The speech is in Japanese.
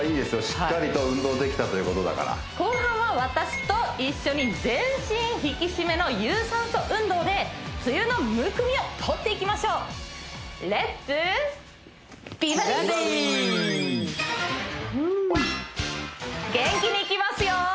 しっかりと運動できたということだから後半は私と一緒に全身引き締めの有酸素運動で梅雨のむくみを取っていきましょう元気にいきますよ